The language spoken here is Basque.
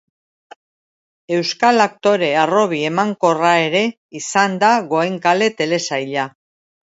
Euskal aktore harrobi emankorra ere izan da Goenkale telesaila.